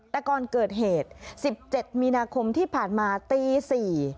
แต่ก่อนเกิดเหตุ๑๗มีนาคมที่ผ่านมาตี๔